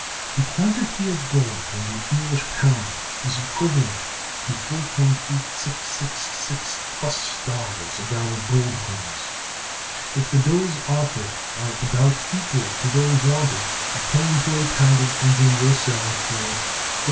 The quantity of gold in the English pound is equivalent to $4.8666+ of our gold coins. If the bills offered are about equal to those wanted, a claim to a pound in England will sell for $4.86.